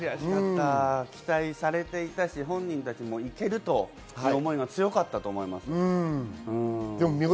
期待されていたし本人達も行けるという思いが強かったと思います。